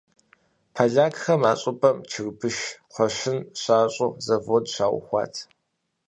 Полякхэм а щӏыпӏэм чырбыш, кхъуэщын щащӏу завод щаухуат.